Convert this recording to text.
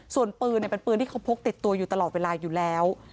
ส่วนปืนเป็นปืนที่เขาพกติดตัวอยู่ตลอดเวลาอยู่แล้ว